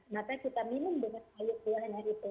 maksudnya kita minum dengan sayur sayur yang ada itu